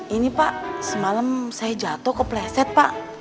ini pak semalam saya jatuh kepleset pak